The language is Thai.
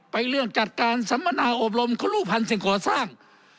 ไปเรื่องจัดการสัมมนาโอบรมคลุมภัณฑ์สิ่งขอสร้าง